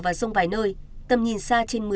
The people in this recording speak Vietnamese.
và rông vài nơi tầm nhìn xa trên